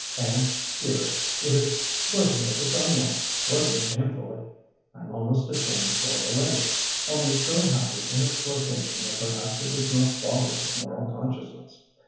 "And, dearie it is flirting with the sunlight flirting shamefully; I'm almost ashamed for the lake, only it's so happy in its flirtation that perhaps it is not bothered with moral consciousness.